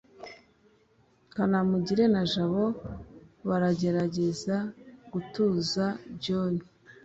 kanamugire na jabo baragerageza gutuza john